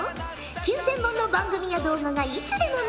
９，０００本の番組や動画がいつでも見られるんじゃ！